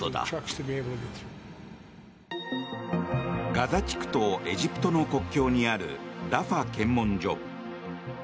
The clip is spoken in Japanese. ガザ地区とエジプトの国境にあるラファ検問所。